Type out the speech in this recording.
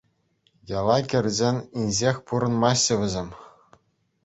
Яла кӗрсен инҫех пурӑнмаҫҫӗ вӗсем.